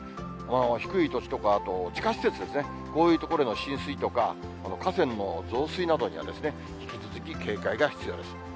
低い土地とか、あと地下施設ですね、こういう所への浸水とか、河川の増水などには引き続き警戒が必要です。